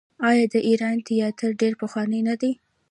آیا د ایران تیاتر ډیر پخوانی نه دی؟